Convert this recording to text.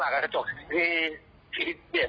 แล้วก็ตัวเราก็มีเป็นรอยรอบอยู่เหมือนกัน